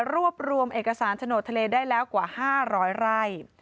รวบรวมเอกสารโฉนดทะเลได้แล้วกว่า๕๐๐ไร่